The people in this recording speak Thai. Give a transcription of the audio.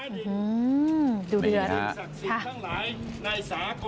ดูเดือน